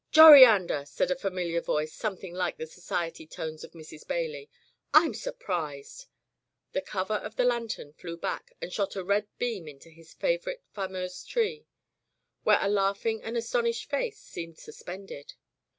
" Joriander!'' said a familiar voice, some thing like the society tones of Mrs. Bailey, rm surprised." The cover of the lantern flew back and shot a red beam into his fa vorite Fameuse tree, where a laughing and astonished face seemed suspended.